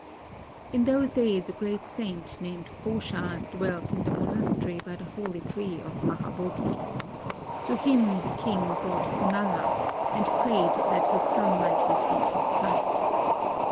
In those days a great saint named Ghosha dwelt in the monastery by the holy tree of Mahabodhi. To him the king brought Kimala, and prayed that his son might receive his sight.